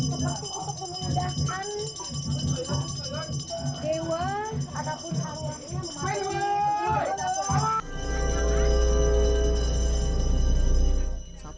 seperti itu pemindahan dewa ataupun alu alunya memakai peguam kita